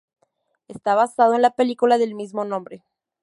Está basado en la película del mismo nombre.